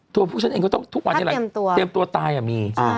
เพราะฉะนั้นทุกวันนี้เตรียมตัวตายอะมี